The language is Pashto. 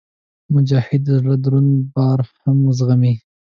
مجاهد د زړه دروند بار هم زغمي.